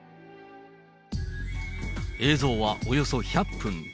映像はおよそ１００分。